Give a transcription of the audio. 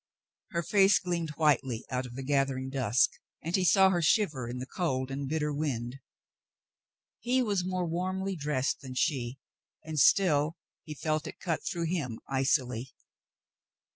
Her face gleamed whitely out of the gathering dusk, and he saw her shiver in the cold and bitter wind. He was more warmly dressed than she, and still he felt it cut through him icily.